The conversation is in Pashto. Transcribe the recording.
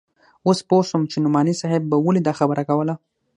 اوس پوه سوم چې نعماني صاحب به ولې دا خبره کوله.